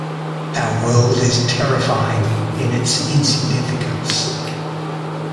Our world is terrifying in its insignificance.